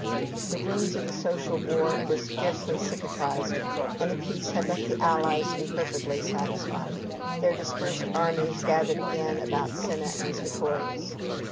The wounds of the social war were scarcely cicatrized, and the peace had left the allies imperfectly satisfied. Their dispersed armies gathered again about Cinna and Sertorius.